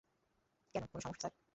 কেন, কোনও সমস্যা, স্যার?